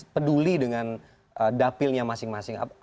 peduli dengan dapilnya masing masing